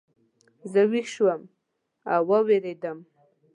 زه ویښ شوم او ووېرېدم.